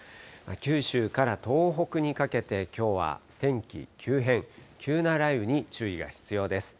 九州から東北にかけて、きょうは天気急変、急な雷雨に注意が必要です。